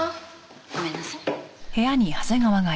ごめんなさい。